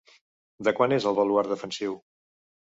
De quan és el baluard defensiu?